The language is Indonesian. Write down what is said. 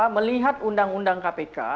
melihat undang undang kpk